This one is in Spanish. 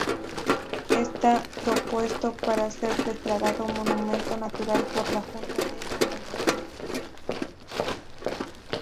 Está propuesto para ser declarado monumento natural por la Junta de Andalucía.